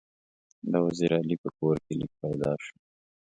د وزیر علي په کور کې لیک پیدا شو.